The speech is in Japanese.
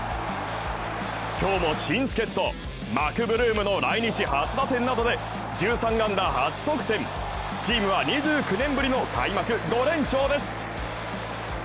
今日も新助っ人、マクブルームの来日初打点などで１３安打８得点、チームは２９年ぶりの開幕５連勝です。